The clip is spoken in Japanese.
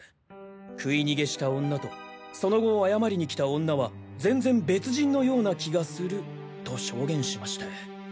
食い逃げした女とその後謝りに来た女は全然別人のような気がすると証言しまして。